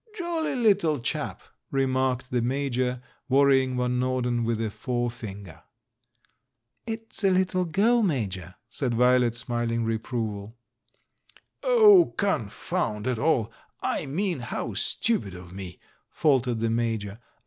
"Jolly little chap," remarked the Major, wor rying Van Norden with a forefinger. "It's a little girl, Major," said Violet, smiling reproval. "Oh, confound it all! I mean how stupid of me!" faltered the Major.